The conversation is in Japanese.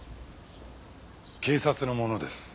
警察の者です。